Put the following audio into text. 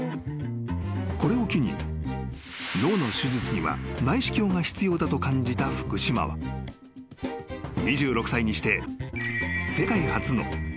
［これを機に脳の手術には内視鏡が必要だと感じた福島は２６歳にして］